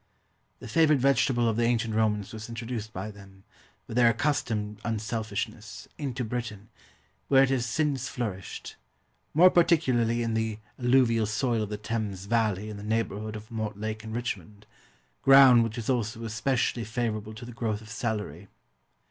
The favourite vegetable of the ancient Romans was introduced by them, with their accustomed unselfishness, into Britain, where it has since flourished more particularly in the alluvial soil of the Thames valley in the neighbourhood of Mortlake and Richmond, ground which is also especially favourable to the growth of celery.